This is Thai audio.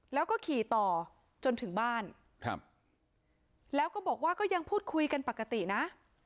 แล้วก็ขี่ต่อจนถึงบ้านครับแล้วก็บอกว่าก็ยังพูดคุยกันปกตินะ